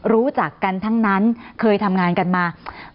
รู้จักกันทั้งนั้นเคยทำงานกันมา